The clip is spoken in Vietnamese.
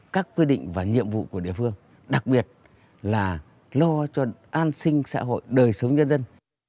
các quy định và nhiệm vụ của địa phương đặc biệt là lo cho an sinh xã hội đời sống nhân dân